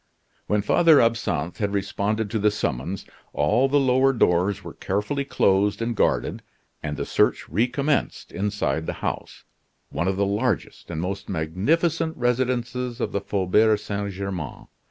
When Father Absinthe had responded to the summons all the lower doors were carefully closed and guarded, and the search recommenced inside the house, one of the largest and most magnificent residences of the Faubourg Saint Germain.